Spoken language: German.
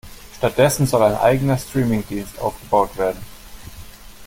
Stattdessen soll ein eigener Streaming-Dienst aufgebaut werden.